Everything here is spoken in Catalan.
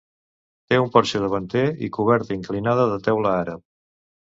Té un porxo davanter i coberta inclinada de teula àrab.